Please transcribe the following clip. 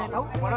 eh tau warah